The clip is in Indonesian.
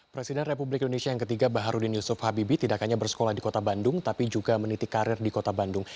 presiden republik indonesia yang ketiga baharudin yusuf habibie tidak hanya bersekolah di kota bandung tapi juga meniti karir di kota bandung